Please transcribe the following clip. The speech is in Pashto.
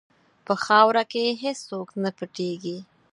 په خاوره کې هېڅ څوک نه پټیږي.